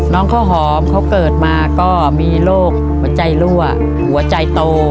น้องข้าวหอมเขาเกิดมาก็มีโรคหัวใจรั่วหัวใจโต